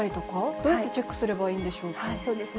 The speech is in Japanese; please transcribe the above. どうやってチェックすればいいんでしょうか。